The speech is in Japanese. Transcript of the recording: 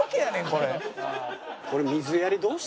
これ。